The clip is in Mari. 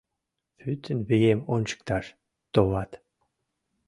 Пӱтынь вием ончыкташ, товат.